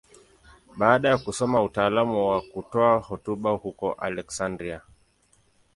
Baada ya kusoma utaalamu wa kutoa hotuba huko Aleksandria.